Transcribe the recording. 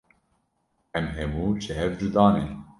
Em hemû ji hev cuda ne.